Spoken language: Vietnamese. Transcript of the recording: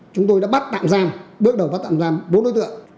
chúng tôi đã bắt tạm giam bước đầu bắt tạm giam bốn đối tượng